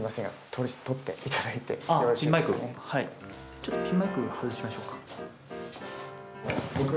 ちょっとピンマイク外しましょうか。